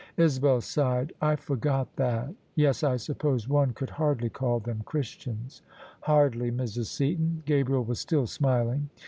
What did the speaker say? Isabel sighed. " I forgot that. Yes : I suppose one could hardly call them Christians." " Hardly, Mrs. Seaton." Gabriel was still smiling.